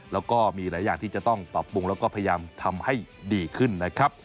แล้วก็มีหลายอย่างที่จะต้องปรับปรุงแล้วก็พยายามทำให้ดีขึ้นนะครับ